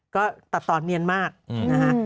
ก็ตัดตอนเนียนมากนะฮะ